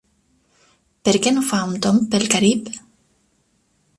Per què no fa un tomb pel Carib?